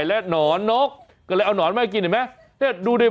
โอ้บ้าเหลืออะไรดูสิดูสิ